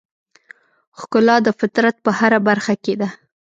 ښکلا د فطرت په هره برخه کې ده.